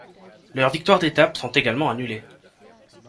Leurs victoires d'étape sont également annulées.